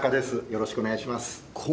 よろしくお願いします